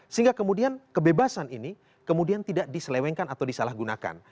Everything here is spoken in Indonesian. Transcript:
sehingga kemudian kebebasan ini kemudian tidak diselewengkan atau disalahgunakan